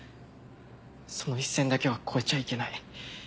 その一線だけは越えちゃいけない。